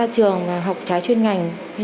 mới ra trường học trái chuyên ngành